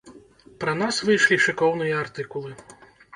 Пра нас выйшлі шыкоўныя артыкулы.